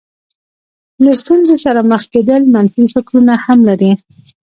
له ستونزې سره مخ کېدل منفي فکرونه هم لري.